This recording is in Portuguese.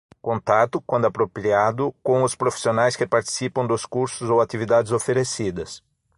Contato, quando apropriado, com os profissionais que participam dos cursos ou atividades oferecidas.